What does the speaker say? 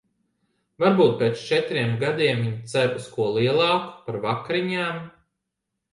Varbūt pēc četriem gadiem viņa cer uz ko lielāku par vakariņām?